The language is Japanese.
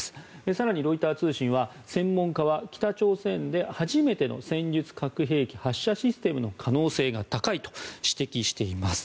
更にロイター通信は専門家は、北朝鮮で初めての戦術核兵器発射システムの可能性が高いと指摘しています。